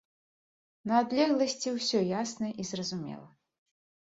На адлегласці ўсё ясна і зразумела.